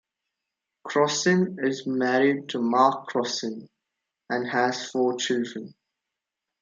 Crossin is married to Mark Crossin, and has four children.